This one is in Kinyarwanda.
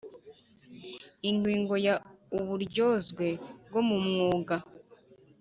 Ingingo ya Uburyozwe bwo mumwuga